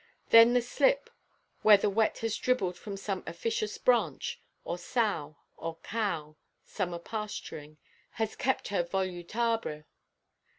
Then the slip, where the wet has dribbled from some officious branch, or sow, or cow, summer–pasturing, has kept her volutabre.